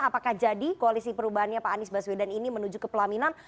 apakah jadi koalisi perubahannya pak anies baswedan ini menuju ke pelaminan